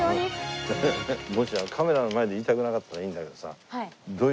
もしカメラの前で言いたくなかったらいいんだけどさ。